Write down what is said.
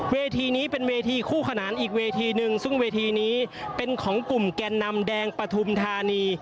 เวทีนี้เป็นเวทีคู่ขนานอีกเวทีหนึ่งซึ่งเวทีนี้เป็นของกลุ่มแกนนำแดงปฐุมธานี